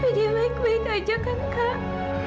tapi dia baik baik saja kan kak